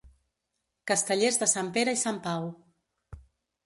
Castellers de Sant Pere i Sant Pau.